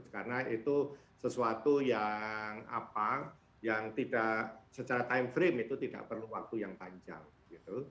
karena itu sesuatu yang apa yang tidak secara time frame itu tidak perlu waktu yang panjang gitu